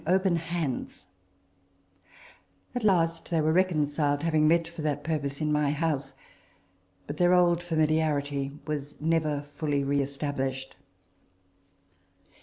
26 RECOLLECTIONS OF THE reconciled, having met, for that purpose, in my house ; but their old familiarity was never fully re established.